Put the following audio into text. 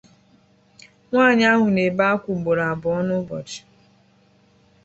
nwaanyị ahụ na-ebe ákwá ahụ ugboro abụọ n'ụbọchị